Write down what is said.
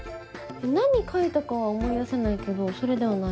何描いたかは思い出せないけどそれではない。